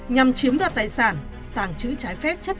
bắt cóc nhằm chiếm đoạt tài sản tàng trữ trái phép chất ma túy